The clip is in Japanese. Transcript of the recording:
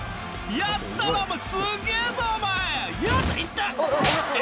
やったな、すげえぞおまえ。